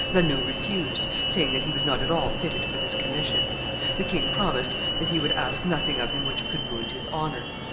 La Noue refused, saying that he was not at all fitted for this commission. The king promised that he would ask nothing of him which could wound his honor.